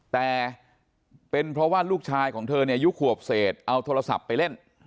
แต่เป็นเพราะว่าลูกชายของเธอเนี่ยอายุขวบเศษเอาโทรศัพท์ไปเล่น